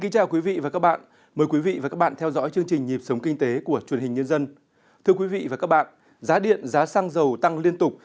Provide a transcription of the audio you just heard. thưa quý vị và các bạn giá điện giá xăng dầu tăng liên tục